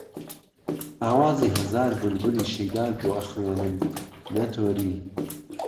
ئاوازی ههزار بولبولی شهیدات بۆ ئهخوێنم، نهتۆری